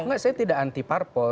tidak saya tidak anti parpel